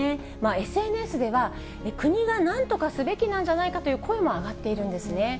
ＳＮＳでは、国がなんとかすべきなんじゃないかという声も上がっているんですね。